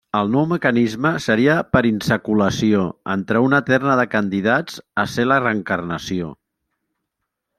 El nou mecanisme seria per insaculació entre una terna de candidats a ser la reencarnació.